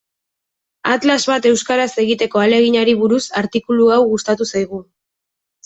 Atlas bat euskaraz egiteko ahaleginari buruz artikulu hau gustatu zaigu.